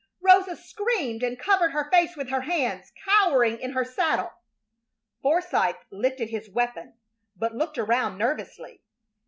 Rosa screamed and covered her face with her hands, cowering in her saddle. Forsythe lifted his weapon, but looked around nervously.